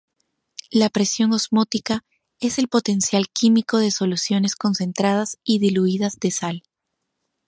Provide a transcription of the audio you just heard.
La presión osmótica es el potencial químico de soluciones concentradas y diluidas de sal.